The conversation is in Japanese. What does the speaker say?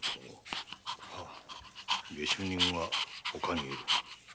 下手人はほかにいる。